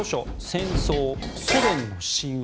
「戦争ソ連の神話」。